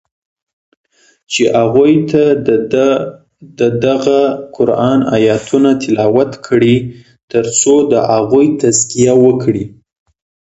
چی هغوی ته ددغه قرآن آیتونه تلاوت کړی تر څو د هغوی تزکیه وکړی